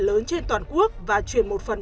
lớn trên toàn quốc và chuyển một phần